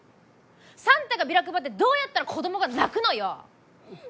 サンタがビラ配ってどうやったら子供が泣くのよ！